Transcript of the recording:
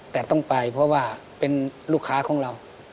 แต่ต้องไปเพราะว่าเป็นลูกค้าของเรา